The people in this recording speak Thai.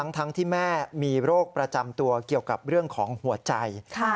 ทั้งที่แม่มีโรคประจำตัวเกี่ยวกับเรื่องของหัวใจ